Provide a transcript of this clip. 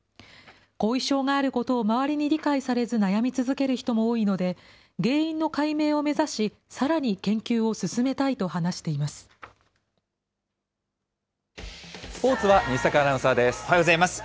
後遺症があることを周りに理解されず悩み続ける人も多いので、原因の解明を目指し、さらに研究をスポーツは西阪アナウンサーおはようございます。